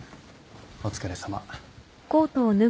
お疲れさま。